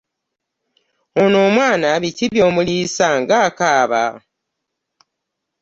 Ono omwana biki by'omuliisa ng'akaaba.